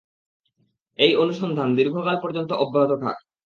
এই অনুসন্ধান দীর্ঘকাল পর্যন্ত অব্যাহত থাকে।